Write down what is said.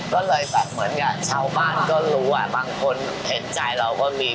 ก็เลยแบบเหมือนกับชาวบ้านก็รู้อ่ะบางคนเห็นใจเราก็มี